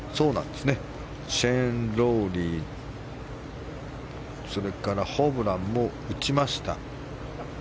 シェーン・ロウリーそれからホブランも打ちました。